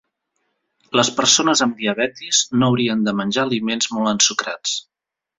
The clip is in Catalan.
Les persones amb diabetis no haurien de menjar aliments molt ensucrats.